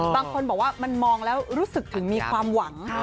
บางคนบอกว่ามันมองแล้วรู้สึกถึงมีความหวัง